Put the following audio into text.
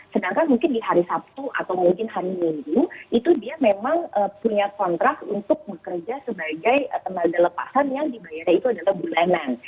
sedangkan mungkin di hari sabtu atau mungkin hari minggu itu dia memang punya kontrak untuk bekerja sebagai tenaga lepasan yang dibayarnya itu adalah bulanan